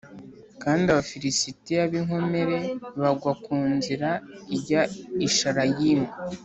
kandi Abafilisitiya b’inkomere bagwa ku nzira ijya i Shārayimu